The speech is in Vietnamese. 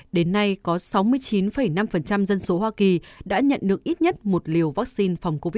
đến nay có sáu mươi chín năm dân số hoa kỳ đã nhận được ít nhất một liều vaccine phòng covid một mươi chín